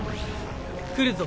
来るぞ。